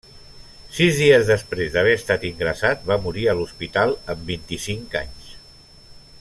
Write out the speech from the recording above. Sis dies després d’haver estat ingressat va morir a l’hospital amb vint-i-cinc anys.